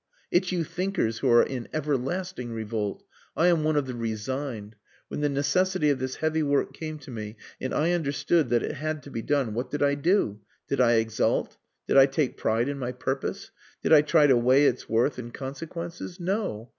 It's you thinkers who are in everlasting revolt. I am one of the resigned. When the necessity of this heavy work came to me and I understood that it had to be done what did I do? Did I exult? Did I take pride in my purpose? Did I try to weigh its worth and consequences? No!